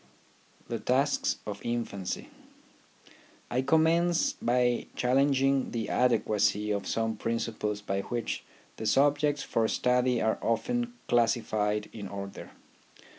THE TASKS OF INFANCY I commence by challenging the adequacy of some principles by which the subjects for study are often classified in order.